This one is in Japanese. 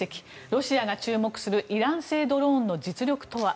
ロシアが注目するイラン製ドローンの実力とは。